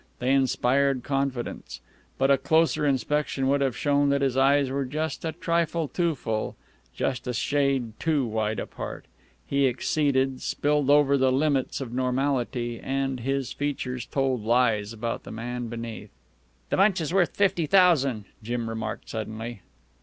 They inspired confidence. But a closer inspection would have shown that his eyes were just a trifle too full, just a shade too wide apart. He exceeded, spilled over the limits of normality, and his features told lies about the man beneath. "The bunch is worth fifty thousan'," Jim remarked suddenly.